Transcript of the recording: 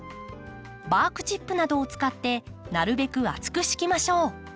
バークチップなどを使ってなるべく厚く敷きましょう。